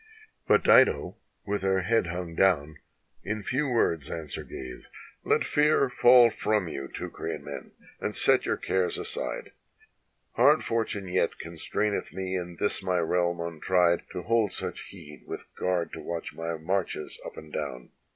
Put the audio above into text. But Dido, with her head hung down, in few words an swer gave : "Let fear fall from you, Teucrian men, and set your cares aside; Hard fortune yet constraineth me and this my realm un tried To hold such heed, with guard to watch my marches up and down.